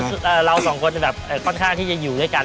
ก็เราสองคนค่อนข้างที่จะอยู่ด้วยกัน